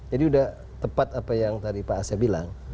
jadi sudah tepat apa yang tadi pak asya bilang